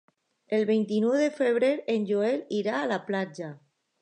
El vint-i-nou de febrer en Joel irà a la platja.